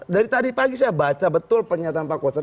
dari tadi pagi saya baca betul pernyataan pak koster